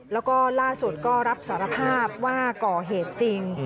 แล้วก็ล่าสุดก็รับสารภาพว่าก่อเหตุจริง